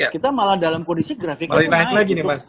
kita malah dalam kondisi grafiknya turun